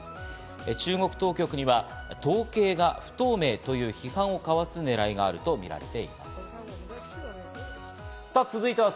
中国当局には統計が不透明という批判をかわす狙いがあるとみられています。